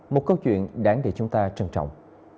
một câu chuyện đáng để chúng ta trân trọng